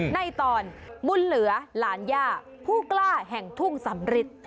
ในตอนบุญเหลือหลานย่าผู้กล้าแห่งทุ่งสำริท